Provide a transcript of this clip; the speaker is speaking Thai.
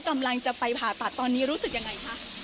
กำลังจะไปผ่าตัดตอนนี้รู้สึกยังไงคะ